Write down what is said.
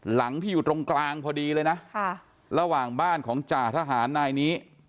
หลังที่อยู่ตรงกลางพอดีเลยนะค่ะระหว่างบ้านของจ่าทหารนายนี้